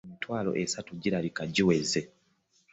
Emitwalo esatu girabika giweze.